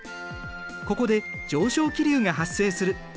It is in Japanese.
ここで上昇気流が発生する。